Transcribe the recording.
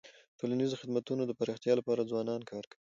د ټولنیزو خدمتونو د پراختیا لپاره ځوانان کار کوي.